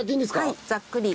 はいざっくり。